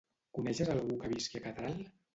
Coneixes algú que visqui a Catral?